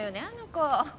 あの子。